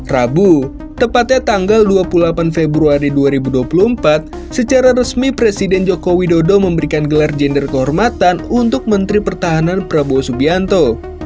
rabu tepatnya tanggal dua puluh delapan februari dua ribu dua puluh empat secara resmi presiden joko widodo memberikan gelar gender kehormatan untuk menteri pertahanan prabowo subianto